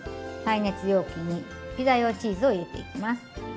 耐熱容器にピザ用チーズを入れていきます。